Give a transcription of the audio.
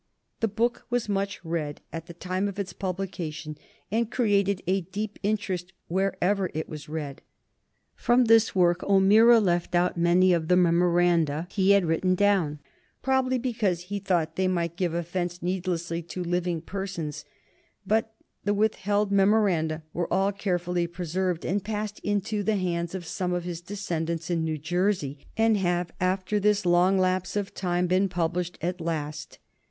The book was much read at the time of its publication, and created a deep interest wherever it was read. From this work O'Meara left out many of the memoranda he had written down, probably because he thought they might give offence needlessly to living persons; but the withheld memoranda were all carefully preserved and passed into the hands of some of his descendants in New Jersey, and have after this long lapse of time been published at last.